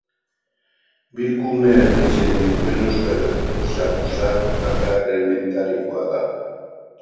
Bi kume erditzen dituen Euskal Herriko saguzar bakarrenetarikoa da.